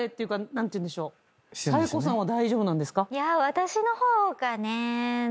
私の方がね何か。